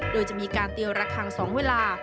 โดยจะมีการเตรียมระคัง๒เวลา